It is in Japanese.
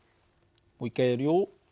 もう一回やるよ。